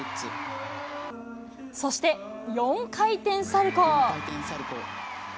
そして、４回転サルコー。